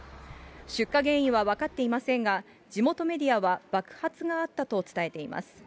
出火原因は分かっていませんが、地元メディアは爆発があったと伝えています。